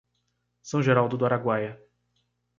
São Geraldo do Araguaia